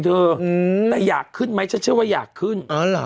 ถ้าอยากขึ้น